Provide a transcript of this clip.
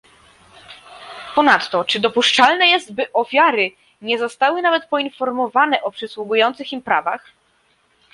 Ponadto, czy dopuszczalne jest, by ofiary nie zostały nawet poinformowane o przysługujących im prawach?